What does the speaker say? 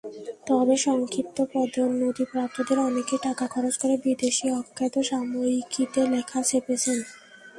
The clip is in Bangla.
তবে সংক্ষিপ্ত পদোন্নতিপ্রাপ্তদের অনেকেই টাকা খরচ করে বিদেশি অখ্যাত সাময়িকীতে লেখা ছেপেছেন।